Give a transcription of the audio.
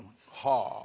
はあ。